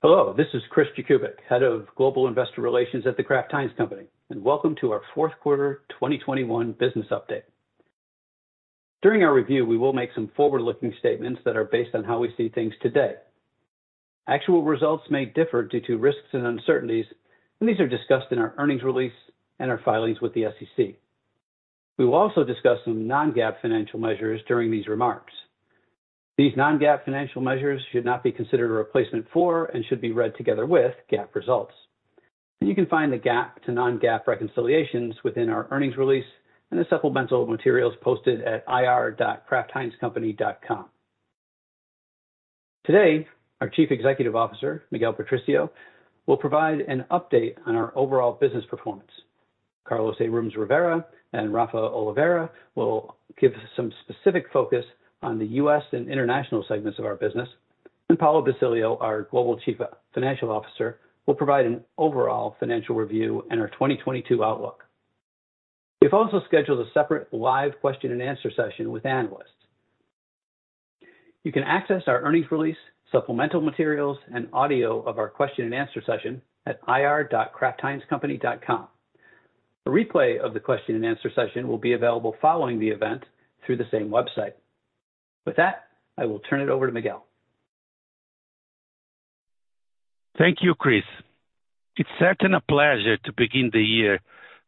Hello, this is Christopher Jakubik, Head of Global Investor Relations at The Kraft Heinz Company, and welcome to our Fourth Quarter 2021 Business Update. During our review, we will make some forward-looking statements that are based on how we see things today. Actual results may differ due to risks and uncertainties, and these are discussed in our earnings release and our filings with the SEC. We will also discuss some non-GAAP financial measures during these remarks. These non-GAAP financial measures should not be considered a replacement for and should be read together with GAAP results. You can find the GAAP to non-GAAP reconciliations within our earnings release and the supplemental materials posted at ir.kraftheinzcompany.com. Today, our Chief Executive Officer, Miguel Patricio, will provide an update on our overall business performance. Carlos Abrams-Rivera and Rafael Oliveira will give some specific focus on the U.S. and international segments of our business. Paulo Basilio, our Global Chief Financial Officer, will provide an overall financial review and our 2022 outlook. We've also scheduled a separate live question and answer session with analysts. You can access our earnings release, supplemental materials, and audio of our question and answer session at ir.kraftheinzcompany.com. A replay of the question and answer session will be available following the event through the same website. With that, I will turn it over to Miguel Patricio. Thank you, Chris. It's certainly a pleasure to begin the year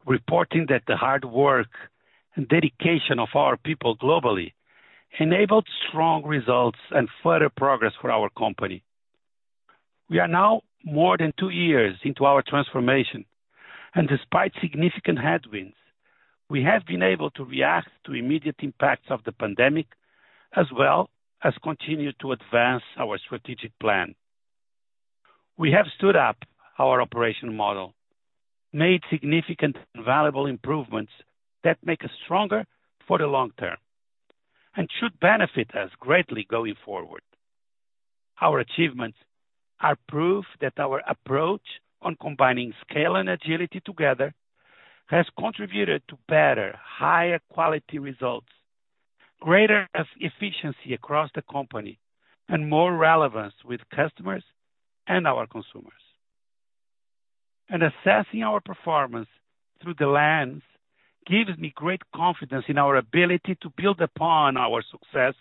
reporting that the hard work and dedication of our people globally enabled strong results and further progress for our company. We are now more than two years into our transformation, and despite significant headwinds, we have been able to react to immediate impacts of the pandemic as well as continue to advance our strategic plan. We have stood up our operating model, made significant and valuable improvements that make us stronger for the long term, and should benefit us greatly going forward. Our achievements are proof that our approach on combining scale and agility together has contributed to better, higher quality results, greater efficiency across the company, and more relevance with customers and our consumers. Assessing our performance through the lens gives me great confidence in our ability to build upon our success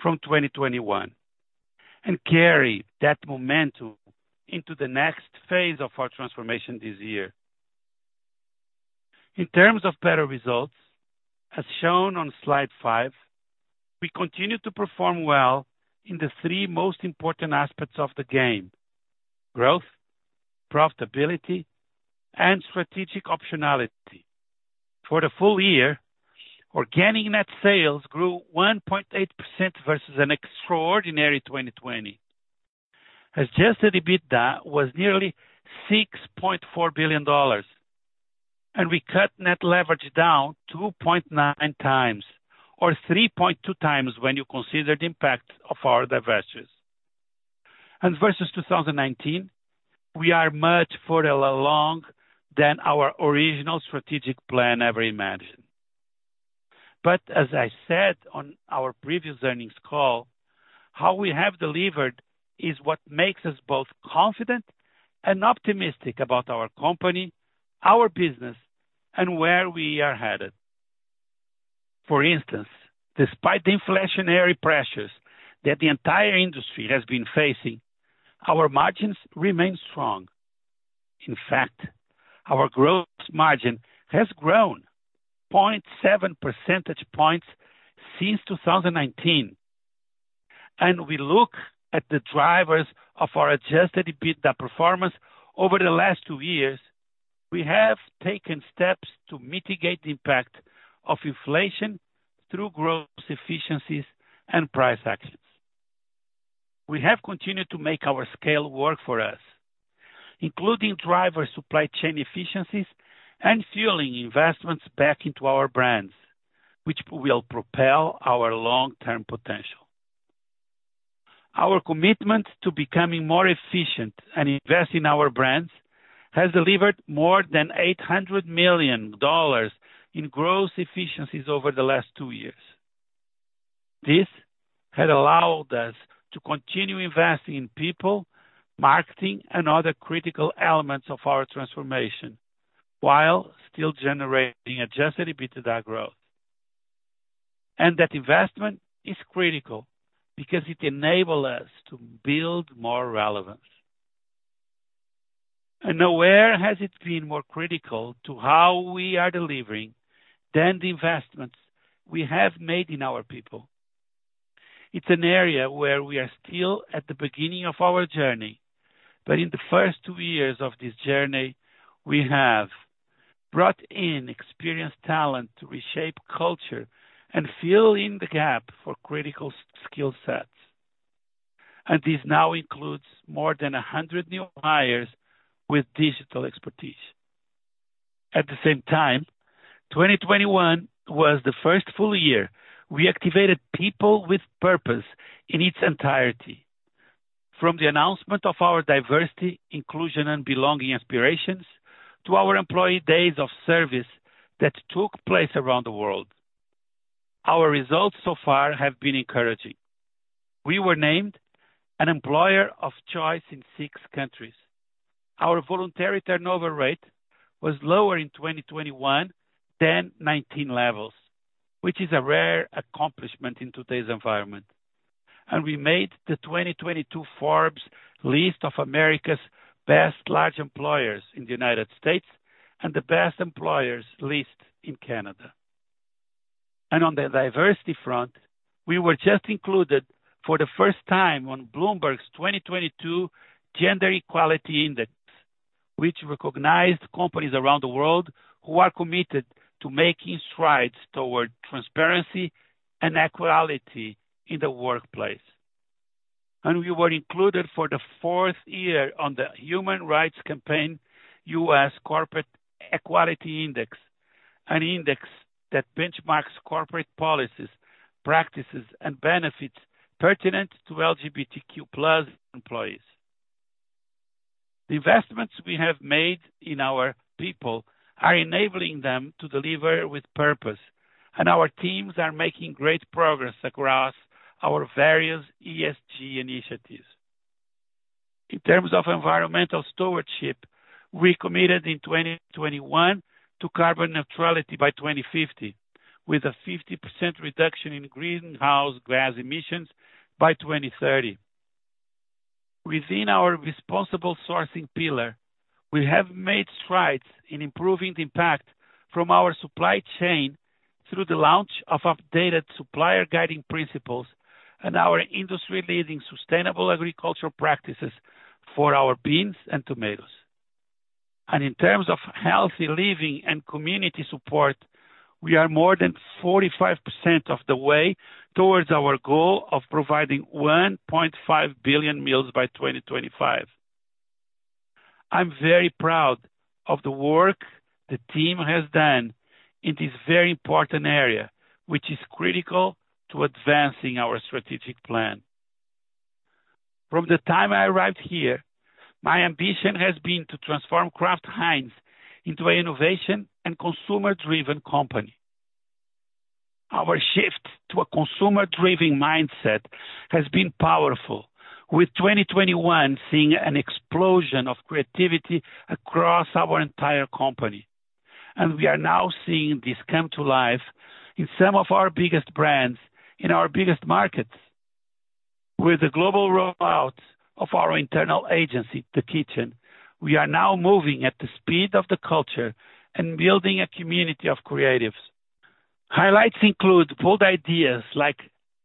from 2021, and carry that momentum into the next phase of our transformation this year. In terms of better results, as shown on slide five, we continue to perform well in the three most important aspects of the game, growth, profitability, and strategic optionality. For the full year, organic net sales grew 1.8% versus an extraordinary 2020. Adjusted EBITDA was nearly $6.4 billion, and we cut net leverage down 2.9x, or 3.2x when you consider the impact of our divestitures. Versus 2019, we are much further along than our original strategic plan ever imagined. As I said on our previous earnings call, how we have delivered is what makes us both confident and optimistic about our company, our business, and where we are headed. For instance, despite the inflationary pressures that the entire industry has been facing, our margins remain strong. In fact, our gross margin has grown 0.7 percentage points since 2019. When we look at the drivers of our Adjusted EBITDA performance over the last two years, we have taken steps to mitigate the impact of inflation through gross efficiencies and price actions. We have continued to make our scale work for us, including driving supply chain efficiencies and fueling investments back into our brands, which will propel our long-term potential. Our commitment to becoming more efficient and invest in our brands has delivered more than $800 million in gross efficiencies over the last two years. This has allowed us to continue investing in people, marketing, and other critical elements of our transformation, while still generating Adjusted EBITDA growth. That investment is critical because it enable us to build more relevance. Nowhere has it been more critical to how we are delivering than the investments we have made in our people. It's an area where we are still at the beginning of our journey. In the first two years of this journey, we have brought in experienced talent to reshape culture and fill in the gap for critical skill sets. This now includes more than 100 new hires with digital expertise. At the same time, 2021 was the first full year we activated people with purpose in its entirety, from the announcement of our diversity, inclusion, and belonging aspirations to our employee days of service that took place around the world. Our results so far have been encouraging. We were named an employer of choice in six countries. Our voluntary turnover rate was lower in 2021 than 2019 levels, which is a rare accomplishment in today's environment. We made the 2022 Forbes list of America's best large employers in the United States and the best employers list in Canada. On the diversity front, we were just included for the first time on Bloomberg's 2022 Gender-Equality Index, which recognized companies around the world who are committed to making strides toward transparency and equality in the workplace. We were included for the fourth year on the Human Rights Campaign US Corporate Equality Index, an index that benchmarks corporate policies, practices and benefits pertinent to LGBTQ+ employees. The investments we have made in our people are enabling them to deliver with purpose, and our teams are making great progress across our various ESG initiatives. In terms of environmental stewardship, we committed in 2021 to carbon neutrality by 2050, with a 50% reduction in greenhouse gas emissions by 2030. Within our responsible sourcing pillar, we have made strides in improving the impact from our supply chain through the launch of updated supplier guiding principles and our industry-leading sustainable agricultural practices for our beans and tomatoes. In terms of healthy living and community support, we are more than 45% of the way towards our goal of providing 1.5 billion meals by 2025. I'm very proud of the work the team has done in this very important area, which is critical to advancing our strategic plan. From the time I arrived here, my ambition has been to transform Kraft Heinz into an innovation and consumer-driven company. Our shift to a consumer-driven mindset has been powerful, with 2021 seeing an explosion of creativity across our entire company. We are now seeing this come to life in some of our biggest brands in our biggest markets. With the global rollout of our internal agency, The Kitchen, we are now moving at the speed of the culture and building a community of creatives. Highlights include bold ideas like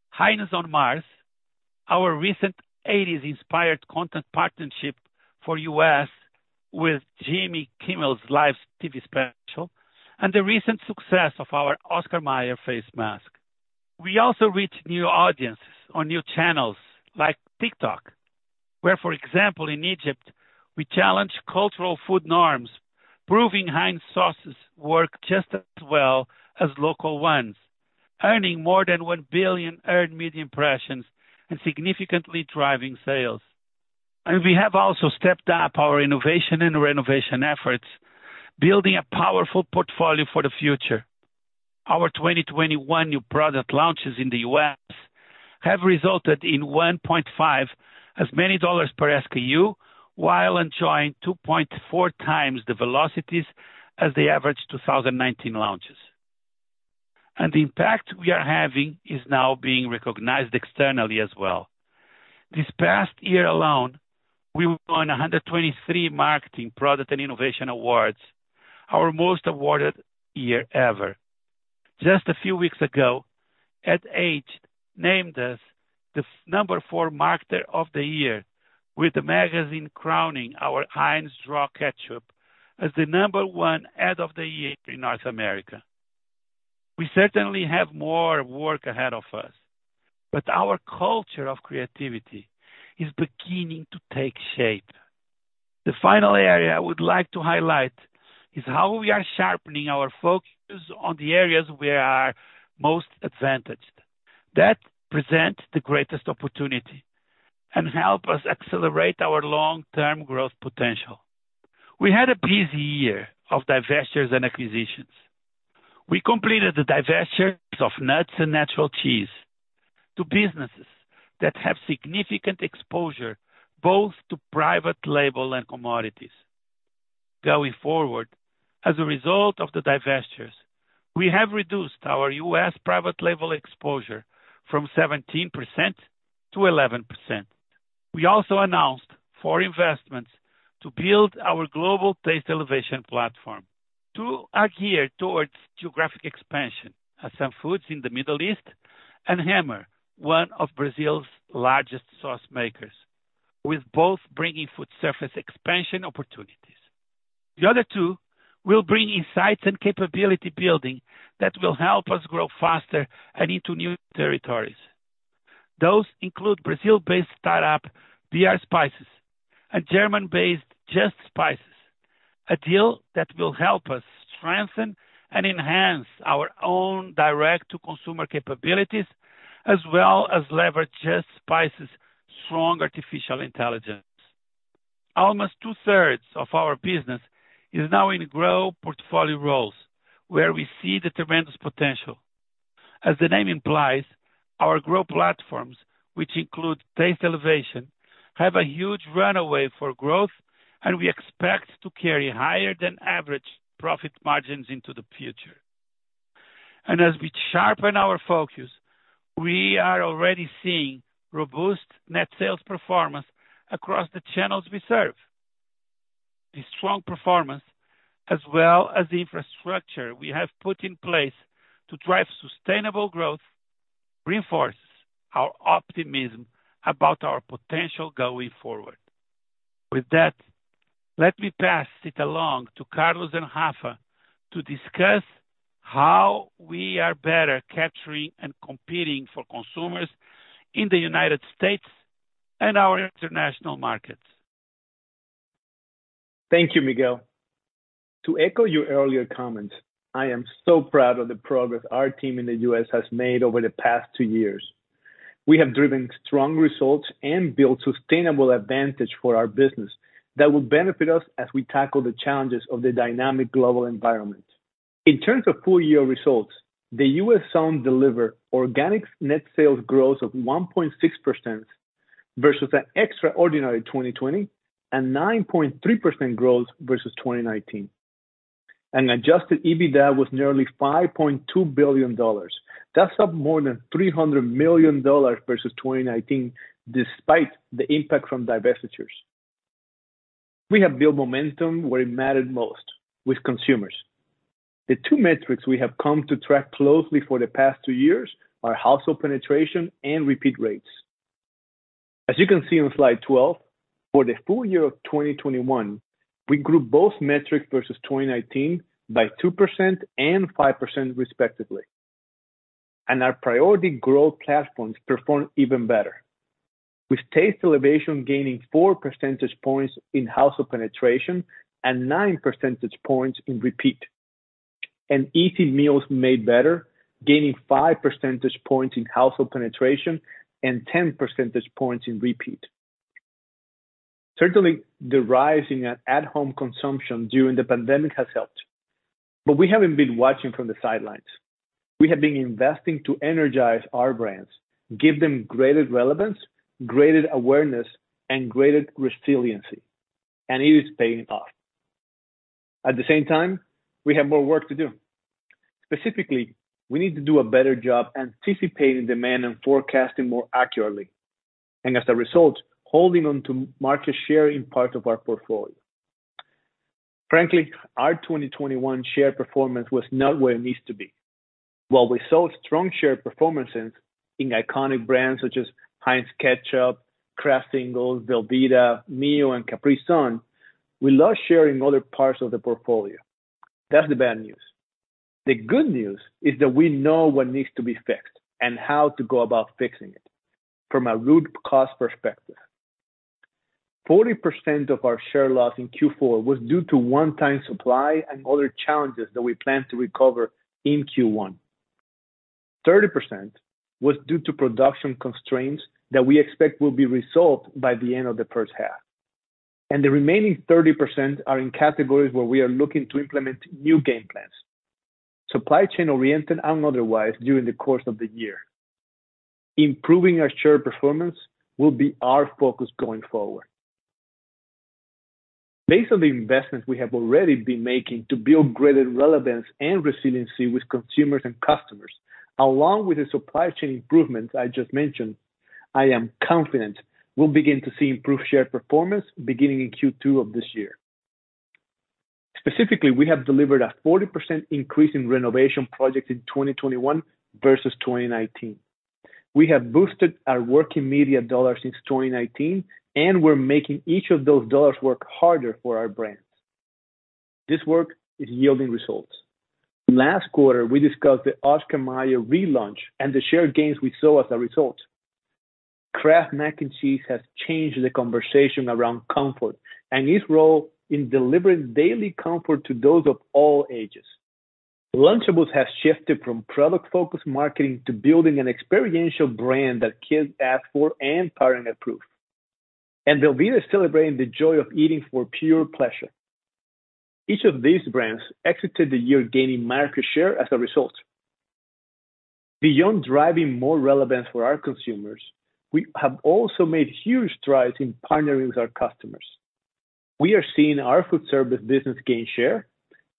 Heinz on Mars, our recent eighties-inspired content partnership for U.S. with Jimmy Kimmel's live TV special, and the recent success of our Oscar Mayer face mask. We also reached new audiences on new channels like TikTok, where, for example, in Egypt, we challenge cultural food norms, proving Heinz sauces work just as well as local ones, earning more than 1 billion earned media impressions and significantly driving sales. We have also stepped up our innovation and renovation efforts, building a powerful portfolio for the future. Our 2021 new product launches in the U.S. have resulted in 1.5 as many dollars per SKU, while enjoying 2.4x the velocities as the average 2019 launches. The impact we are having is now being recognized externally as well. This past year alone, we won 123 marketing, product, and innovation awards, our most awarded year ever. Just a few weeks ago, Ad Age named us the No. 4 marketer of the year, with the magazine crowning our Heinz Draw Ketchup as the No. 1 ad of the year in North America. We certainly have more work ahead of us, but our culture of creativity is beginning to take shape. The final area I would like to highlight is how we are sharpening our focus on the areas we are most advantaged, that present the greatest opportunity, and help us accelerate our long-term growth potential. We had a busy year of divestitures and acquisitions. We completed the divestitures of nuts and natural cheese to businesses that have significant exposure both to private label and commodities. Going forward, as a result of the divestitures, we have reduced our U.S. private label exposure from 17%-11%. We also announced four investments to build our global Taste Elevation platform. Two are geared towards geographic expansion, Assan Foods in the Middle East, and Hemmer, one of Brazil's largest sauce makers, with both bringing foodservice expansion opportunities. The other two will bring insights and capability building that will help us grow faster and into new territories. Those include Brazil-based startup BR Spices and German-based Just Spices, a deal that will help us strengthen and enhance our own direct-to-consumer capabilities as well as leverage Just Spices' strong artificial intelligence. Almost 2/3 of our business is now in Grow portfolio realms where we see the tremendous potential. As the name implies, our Grow platforms, which include Taste Elevation, have a huge runway for growth and we expect to carry higher than average profit margins into the future. As we sharpen our focus, we are already seeing robust net sales performance across the channels we serve. The strong performance as well as the infrastructure we have put in place to drive sustainable growth reinforces our optimism about our potential going forward. With that, let me pass it along to Carlos and Rafa to discuss how we are better capturing and competing for consumers in the United States and our international markets. Thank you, Miguel. To echo your earlier comments, I am so proud of the progress our team in the U.S. has made over the past two years. We have driven strong results and built sustainable advantage for our business that will benefit us as we tackle the challenges of the dynamic global environment. In terms of full-year results, the U.S. zone delivered organic net sales growth of 1.6% versus an extraordinary 2020, and 9.3% growth versus 2019. Adjusted EBITDA was nearly $5.2 billion. That's up more than $300 million versus 2019 despite the impact from divestitures. We have built momentum where it mattered most, with consumers. The two metrics we have come to track closely for the past two years are household penetration and repeat rates. As you can see on slide 12, for the full year of 2021, we grew both metrics versus 2019 by 2% and 5% respectively. Our priority growth platforms performed even better, with Taste Elevation gaining 4 percentage points in household penetration and 9 percentage points in repeat. Easy Meals Made Better, gaining 5 percentage points in household penetration and 10 percentage points in repeat. Certainly, the rise in at-home consumption during the pandemic has helped, but we haven't been watching from the sidelines. We have been investing to energize our brands, give them greater relevance, greater awareness, and greater resiliency, and it is paying off. At the same time, we have more work to do. Specifically, we need to do a better job anticipating demand and forecasting more accurately, and as a result, holding on to market share in part of our portfolio. Frankly, our 2021 share performance was not where it needs to be. While we saw strong share performances in iconic brands such as Heinz Ketchup, Kraft Singles, Velveeta, Mio and Capri Sun, we lost share in other parts of the portfolio. That's the bad news. The good news is that we know what needs to be fixed and how to go about fixing it from a root cause perspective. 40% of our share loss in Q4 was due to one-time supply and other challenges that we plan to recover in Q1. 30% was due to production constraints that we expect will be resolved by the end of the first half. The remaining 30% are in categories where we are looking to implement new game plans, supply chain-oriented and otherwise during the course of the year. Improving our share performance will be our focus going forward. Based on the investments we have already been making to build greater relevance and resiliency with consumers and customers, along with the supply chain improvements I just mentioned, I am confident we'll begin to see improved share performance beginning in Q2 of this year. Specifically, we have delivered a 40% increase in renovation projects in 2021 versus 2019. We have boosted our working media dollars since 2019, and we're making each of those dollars work harder for our brands. This work is yielding results. Last quarter, we discussed the Oscar Mayer relaunch and the share gains we saw as a result. Kraft Mac & Cheese has changed the conversation around comfort and its role in delivering daily comfort to those of all ages. Lunchables has shifted from product-focused marketing to building an experiential brand that kids ask for and parents approve. Velveeta is celebrating the joy of eating for pure pleasure. Each of these brands ended the year gaining market share as a result. Beyond driving more relevance for our consumers, we have also made huge strides in partnering with our customers. We are seeing our foodservice business gain share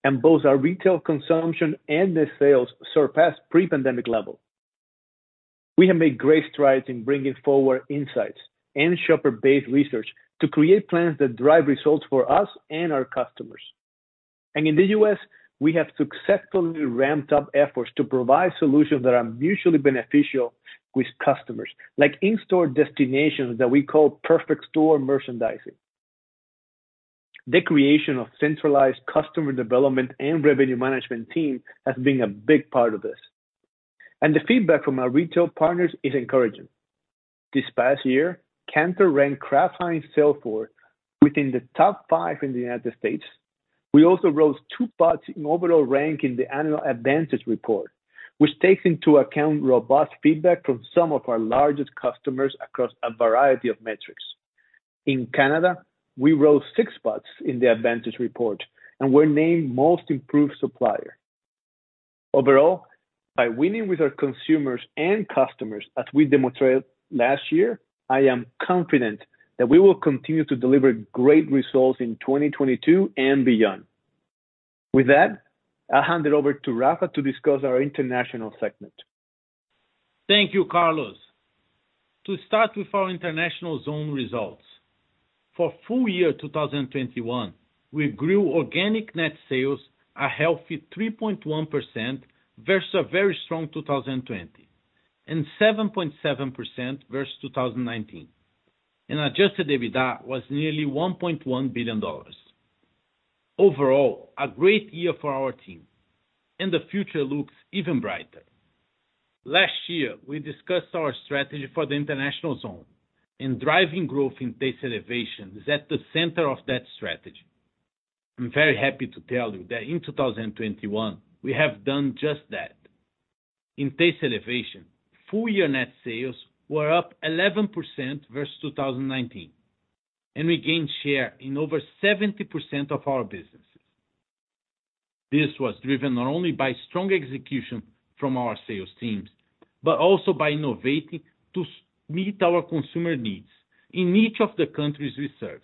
and both our retail consumption and sales surpass pre-pandemic level. We have made great strides in bringing forward insights and shopper-based research to create plans that drive results for us and our customers. In the U.S., we have successfully ramped up efforts to provide solutions that are mutually beneficial with customers, like in-store destinations that we call perfect store merchandising. The creation of centralized customer development and revenue management team has been a big part of this. The feedback from our retail partners is encouraging. This past year, Kantar ranked Kraft Heinz sales force within the top five in the United States. We also rose two spots in overall rank in the annual Advantage Report, which takes into account robust feedback from some of our largest customers across a variety of metrics. In Canada, we rose six spots in the Advantage Report, and were named Most Improved Supplier. Overall, by winning with our consumers and customers as we demonstrated last year, I am confident that we will continue to deliver great results in 2022 and beyond. With that, I hand it over to Rafa to discuss our international segment. Thank you, Carlos. To start with our International Zone results, for full year 2021, we grew organic net sales a healthy 3.1% versus a very strong 2020, and 7.7% versus 2019. Adjusted EBITDA was nearly $1.1 billion. Overall, a great year for our team, and the future looks even brighter. Last year, we discussed our strategy for the International Zone, and driving growth in Taste Elevation is at the center of that strategy. I'm very happy to tell you that in 2021, we have done just that. In Taste Elevation, full year net sales were up 11% versus 2019, and we gained share in over 70% of our businesses. This was driven not only by strong execution from our sales teams, but also by innovating to meet our consumer needs in each of the countries we serve.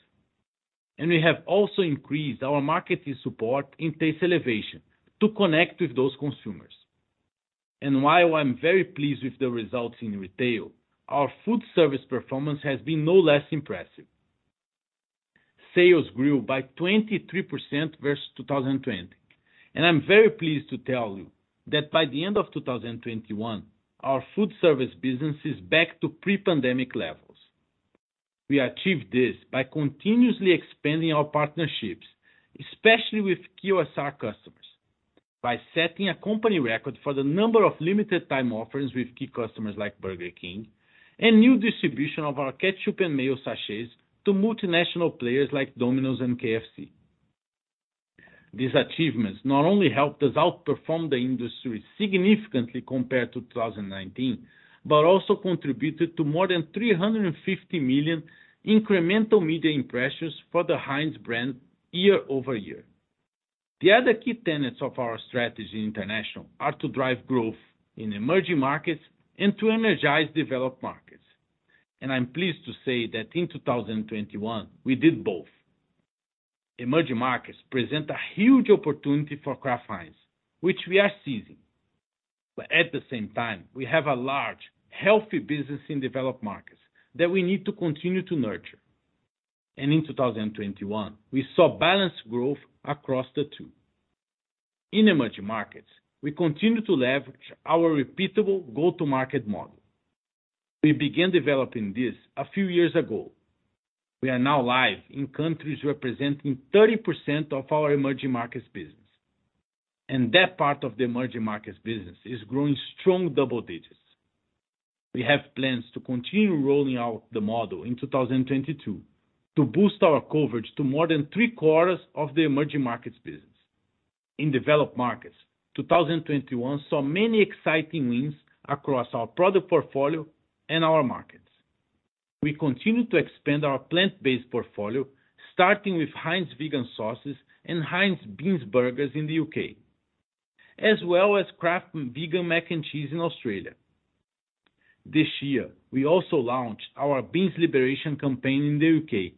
We have also increased our marketing support in Taste Elevation to connect with those consumers. While I'm very pleased with the results in retail, our food service performance has been no less impressive. Sales grew by 23% versus 2020, and I'm very pleased to tell you that by the end of 2021, our food service business is back to pre-pandemic levels. We achieved this by continuously expanding our partnerships, especially with QSR customers, by setting a company record for the number of limited time offerings with key customers like Burger King and new distribution of our ketchup and mayo sachets to multinational players like Domino's and KFC. These achievements not only helped us outperform the industry significantly compared to 2019, but also contributed to more than 350 million incremental media impressions for the Heinz brand YoY. The other key tenets of our strategy in international are to drive growth in emerging markets and to energize developed markets, and I'm pleased to say that in 2021, we did both. Emerging markets present a huge opportunity for Kraft Heinz, which we are seizing. At the same time, we have a large, healthy business in developed markets that we need to continue to nurture. In 2021, we saw balanced growth across the two. In emerging markets, we continue to leverage our repeatable go-to-market model. We began developing this a few years ago. We are now live in countries representing 30% of our emerging markets business, and that part of the emerging markets business is growing strong double digits. We have plans to continue rolling out the model in 2022 to boost our coverage to more than three-quarters of the emerging markets business. In developed markets, 2021 saw many exciting wins across our product portfolio and our markets. We continue to expand our plant-based portfolio, starting with Heinz vegan sauces and Heinz Beanz Burgerz in the U.K., as well as Kraft Vegan Mac & Cheese in Australia. This year, we also launched our Beanz Liberation campaign in the U.K.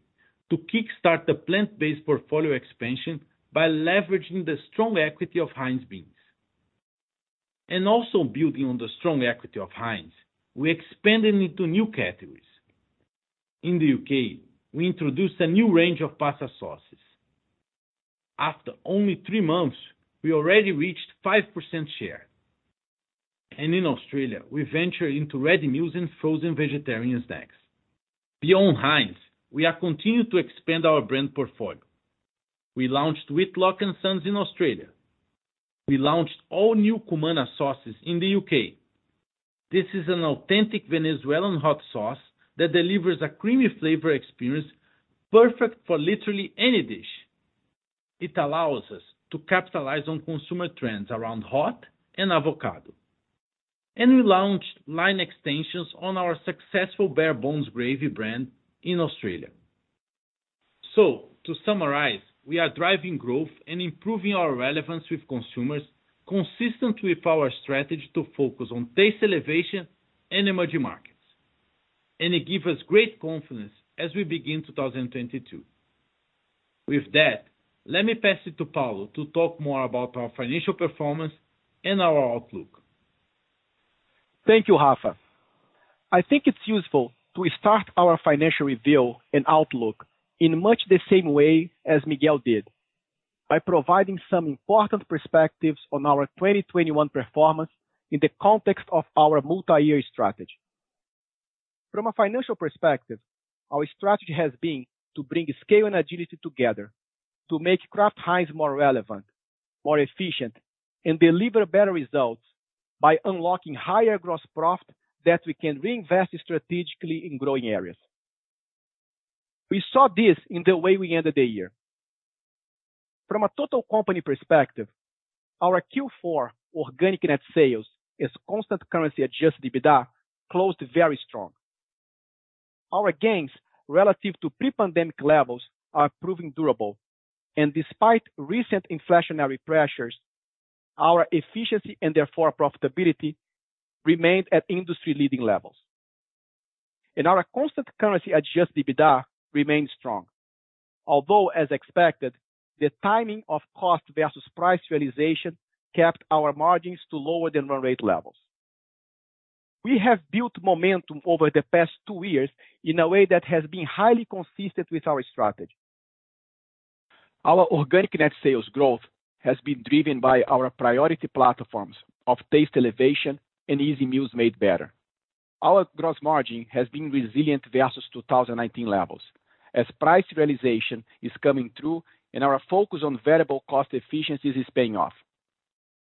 to kickstart the plant-based portfolio expansion by leveraging the strong equity of Heinz Beanz. Also building on the strong equity of Heinz, we expanded into new categories. In the U.K., we introduced a new range of pasta sauces. After only three months, we already reached 5% share. In Australia, we ventured into ready meals and frozen vegetarian snacks. Beyond Heinz, we are continuing to expand our brand portfolio. We launched F. Whitlock & Sons in Australia. We launched all new Kumana sauces in the U.K. This is an authentic Venezuelan hot sauce that delivers a creamy flavor experience perfect for literally any dish. It allows us to capitalize on consumer trends around hot and avocado. We launched line extensions on our successful Gravox brand in Australia. To summarize, we are driving growth and improving our relevance with consumers consistent with our strategy to focus on Taste Elevation and emerging markets. It give us great confidence as we begin 2022. With that, let me pass it to Paulo to talk more about our financial performance and our outlook. Thank you, Rafa. I think it's useful to start our financial review and outlook in much the same way as Miguel did, by providing some important perspectives on our 2021 performance in the context of our multi-year strategy. From a financial perspective, our strategy has been to bring scale and agility together to make Kraft Heinz more relevant, more efficient, and deliver better results by unlocking higher gross profit that we can reinvest strategically in growing areas. We saw this in the way we ended the year. From a total company perspective, our Q4 organic net sales and constant currency Adjusted EBITDA closed very strong. Our gains relative to pre-pandemic levels are proving durable. Despite recent inflationary pressures, our efficiency and therefore profitability remains at industry-leading levels. Our constant currency Adjusted EBITDA remains strong. Although, as expected, the timing of cost versus price realization kept our margins to lower than run rate levels. We have built momentum over the past two years in a way that has been highly consistent with our strategy. Our organic net sales growth has been driven by our priority platforms of Taste Elevation and Easy Meals Made Better. Our gross margin has been resilient versus 2019 levels as price realization is coming through and our focus on variable cost efficiencies is paying off.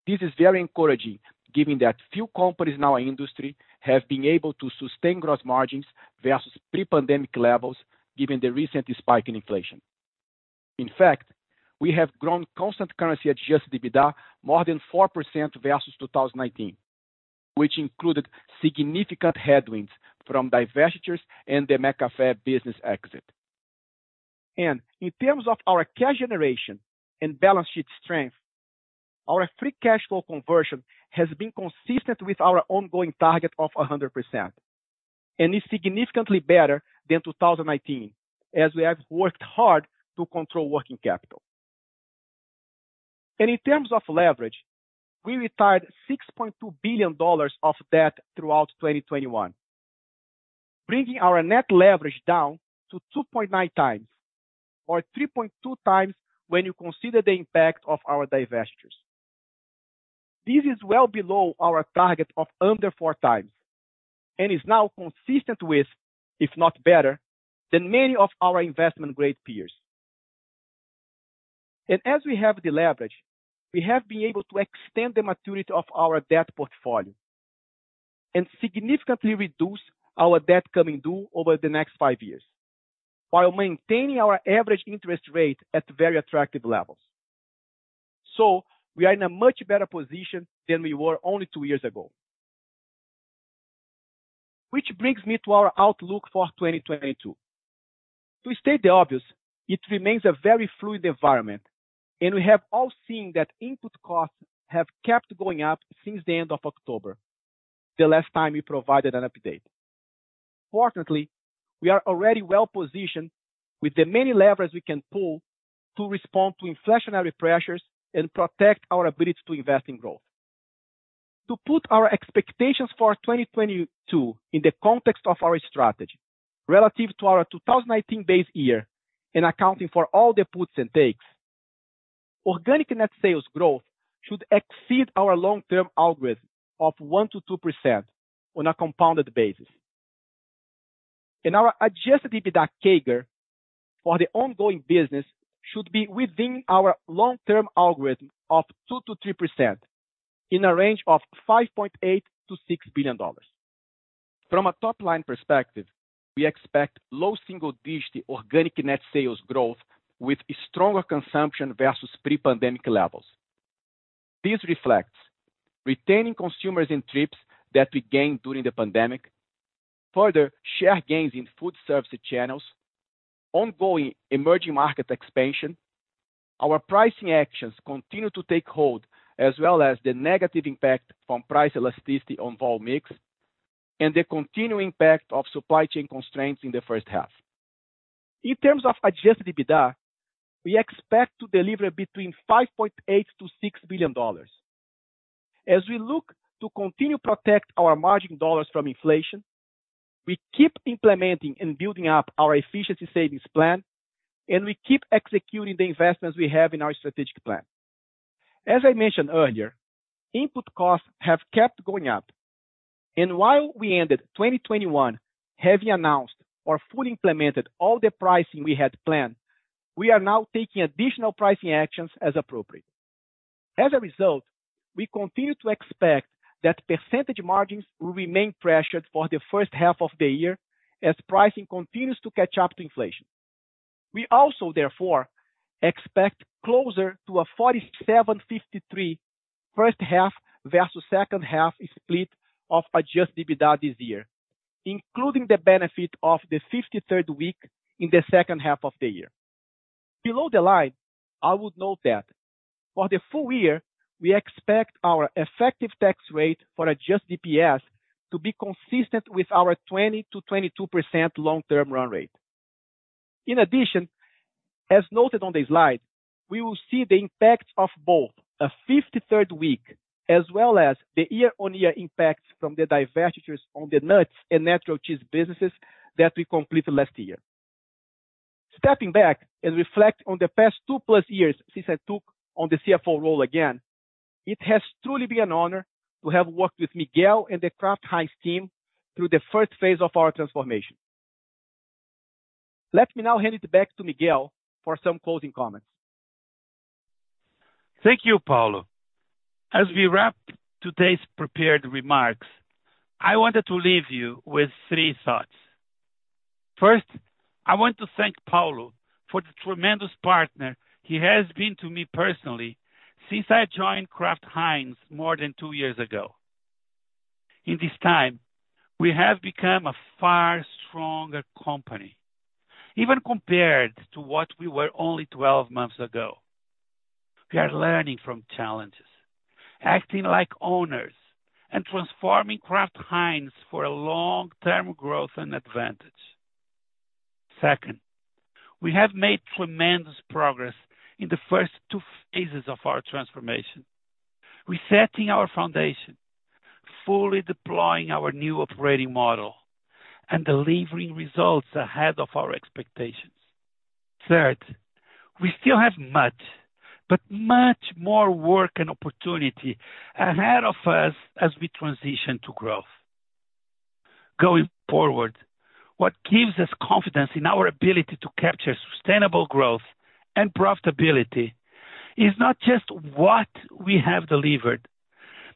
This is very encouraging given that few companies in our industry have been able to sustain gross margins versus pre-pandemic levels given the recent spike in inflation. In fact, we have grown constant currency Adjusted EBITDA more than 4% versus 2019, which included significant headwinds from divestitures and the McCafé business exit. In terms of our cash generation and balance sheet strength, our free cash flow conversion has been consistent with our ongoing target of 100%, and is significantly better than 2019, as we have worked hard to control working capital. In terms of leverage, we retired $6.2 billion of debt throughout 2021, bringing our net leverage down to 2.9x or 3.2x when you consider the impact of our divestitures. This is well below our target of under 4x and is now consistent with, if not better, than many of our investment-grade peers. As we have deleveraged, we have been able to extend the maturity of our debt portfolio and significantly reduce our debt coming due over the next five years while maintaining our average interest rate at very attractive levels. We are in a much better position than we were only two years ago. Which brings me to our outlook for 2022. To state the obvious, it remains a very fluid environment, and we have all seen that input costs have kept going up since the end of October, the last time we provided an update. Fortunately, we are already well positioned with the many levers we can pull to respond to inflationary pressures and protect our ability to invest in growth. To put our expectations for 2022 in the context of our strategy relative to our 2019 base year and accounting for all the puts and takes, organic net sales growth should exceed our long-term algorithm of 1%-2% on a compounded basis. Our Adjusted EBITDA CAGR for the ongoing business should be within our long-term algorithm of 2%-3% in a range of $5.8 billion-$6 billion. From a top-line perspective, we expect low single-digit organic net sales growth with stronger consumption versus pre-pandemic levels. This reflects retaining consumers in trips that we gained during the pandemic, further share gains in food service channels, ongoing emerging market expansion. Our pricing actions continue to take hold, as well as the negative impact from price elasticity on volume/mix and the continuing impact of supply chain constraints in the first half. In terms of Adjusted EBITDA, we expect to deliver between $5.8 billion-$6 billion. As we look to continue to protect our margin dollars from inflation, we keep implementing and building up our efficiency savings plan, and we keep executing the investments we have in our strategic plan. As I mentioned earlier, input costs have kept going up. While we ended 2021 having announced or fully implemented all the pricing we had planned, we are now taking additional pricing actions as appropriate. As a result, we continue to expect that percentage margins will remain pressured for the first half of the year as pricing continues to catch up to inflation. We also, therefore, expect closer to a 47-53 first half versus second half split of Adjusted EBITDA this year, including the benefit of the 53rd week in the second half of the year. Below the line, I would note that for the full year, we expect our effective tax rate for Adjusted EPS to be consistent with our 20%-22% long-term run rate. In addition, as noted on the slide, we will see the impact of both a 53rd week as well as the year-on-year impact from the divestitures on the nuts and natural cheese businesses that we completed last year. Stepping back and reflect on the past 2+ years since I took on the CFO role again, it has truly been an honor to have worked with Miguel and the Kraft Heinz team through the first phase of our transformation. Let me now hand it back to Miguel for some closing comments. Thank you, Paulo. As we wrap today's prepared remarks, I wanted to leave you with three thoughts. First, I want to thank Paulo for the tremendous partner he has been to me personally since I joined Kraft Heinz more than two years ago. In this time, we have become a far stronger company, even compared to what we were only 12 months ago. We are learning from challenges, acting like owners, and transforming Kraft Heinz for a long-term growth and advantage. Second, we have made tremendous progress in the first two phases of our transformation, resetting our foundation, fully deploying our new operating model and delivering results ahead of our expectations. Third, we still have much, but much more work and opportunity ahead of us as we transition to growth. Going forward, what gives us confidence in our ability to capture sustainable growth and profitability is not just what we have delivered,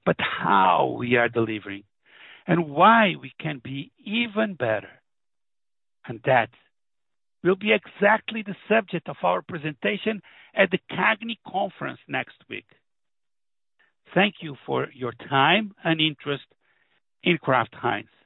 but how we are delivering and why we can be even better. That will be exactly the subject of our presentation at the CAGNY Conference next week. Thank you for your time and interest in Kraft Heinz.